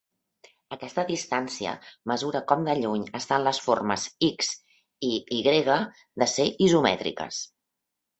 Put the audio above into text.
Aquesta distància mesura com de lluny estan les formes "X" i "Y" de ser isomètriques.